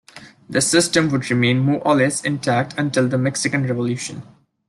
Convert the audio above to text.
This system would remain more or less intact until the Mexican Revolution.